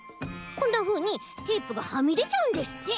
こんなふうにテープがはみでちゃうんですって。